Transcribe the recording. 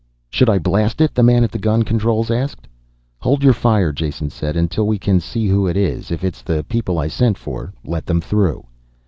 "Should I blast it?" the man at the gun controls asked. "Hold your fire," Jason said, "until we can see who it is. If it's the people I sent for, let them through."